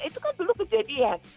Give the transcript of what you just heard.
itu kan dulu kejadian